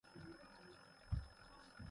مومہ شڑَے باہرَڑ نہ دِیا۔